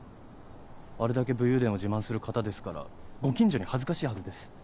あれだけ武勇伝を自慢する方ですからご近所に恥ずかしいはずです。